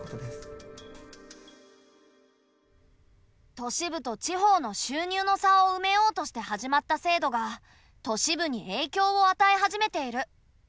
都市部と地方の収入の差をうめようとして始まった制度が都市部に影響をあたえ始めている。